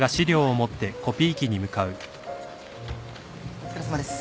お疲れさまです。